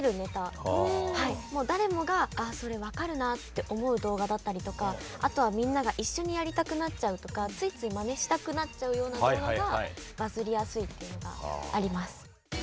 もう誰もがそれ分かるなって思う動画だったりとかあとはみんなが一緒にやりたくなっちゃうとかついついマネしたくなっちゃうような動画がバズりやすいっていうのがあります。